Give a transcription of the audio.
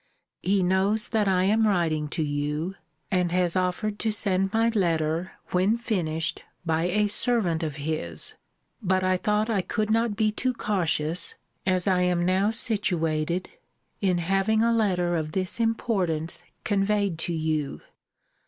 He knows that I am writing to you; and has offered to send my letter, when finished, by a servant of his. But I thought I could not be too cautious, as I am now situated, in having a letter of this importance conveyed to you.